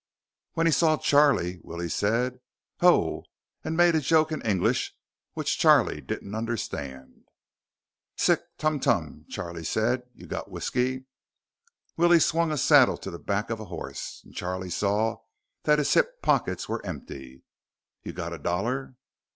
When he saw Charlie, Willie said, "Ho!" and made a joke in English which Charlie didn't understand. "Sick tumtum," Charlie said. "You got whisky?" Willie swung a saddle to the back of a horse, and Charlie saw that his hip pockets were empty. "You got dollar?"